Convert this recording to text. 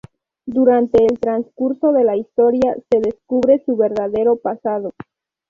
Durante el transcurso de la historia se descubre su verdadero pasado.